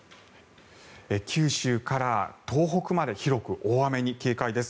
九州から東北まで広く大雨に警戒です。